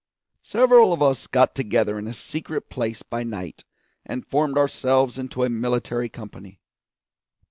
Several of us got together in a secret place by night and formed ourselves into a military company.